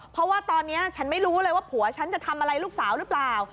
เพราะว่าตอนนี้ฉันไม่รู้เลยว่าผัวฉันจะทำอะไรลูกสาวหรือเปล่า